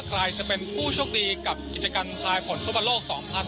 ใครจะเป็นผู้โชคดีกับกิจกรรมทายผลฟุตบอลโลก๒๐๑๖